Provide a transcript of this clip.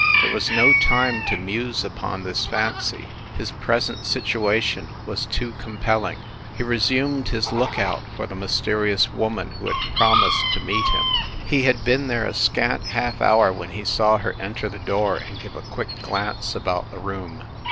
There was no time to muse upon this fancy, his present situation was too com pelling. He resumed his lookout for the mysterious woman who had promised to meet him. 28 FIND THE WOMAN He had been there a scant half hour when he saw her enter the door and give a quick glance about the room.